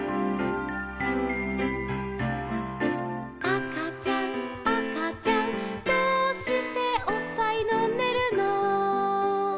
「あかちゃんあかちゃんどうしておっぱいのんでるの」